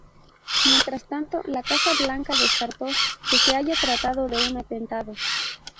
Mientras tanto, la Casa Blanca descartó que se haya tratado de un atentado.